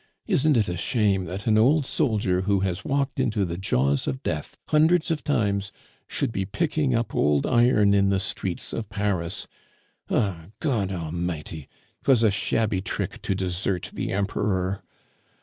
Isn't it a shame that an old soldier who has walked into the jaws of death hundreds of times should be picking up old iron in the streets of Paris? Ah! God A'mighty! 'twas a shabby trick to desert the Emperor.